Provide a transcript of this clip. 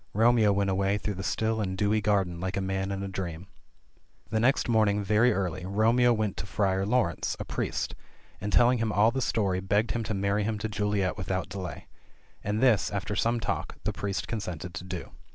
Romeo went away through the still and dewy garden like a man in a dream. The next morning very early Romeo went to Friar Laurence, a priest, and, telling him all the story, begged him to marry him to Juliet without delay. And this, after some talk, the priest consented to do.